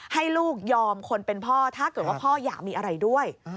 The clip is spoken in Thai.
ให้ลูกยอมคนเป็นพ่อถ้าเกิดว่าพ่ออยากมีอะไรด้วย